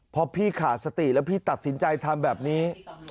พอพี่ขาดสติแล้วพี่ตัดสินใจทำแบบนี้